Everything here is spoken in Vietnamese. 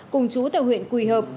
cùng chú tại huyện quỳ hợp